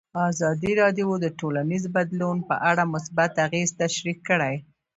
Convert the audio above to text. ازادي راډیو د ټولنیز بدلون په اړه مثبت اغېزې تشریح کړي.